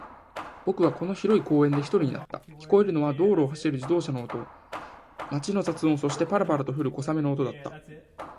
僕はこの広い公園で一人になった。聞こえるのは道路を走る自動車の音、街の雑音、そして、パラパラと降る小雨の音だった。